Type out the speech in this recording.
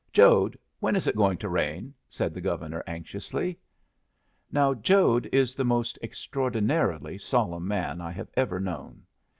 "Jode, when is it going to rain?" said the Governor, anxiously. Now Jode is the most extraordinarily solemn man I have ever known.